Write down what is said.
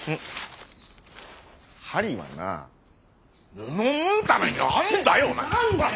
針はな布縫うためにあんだよ！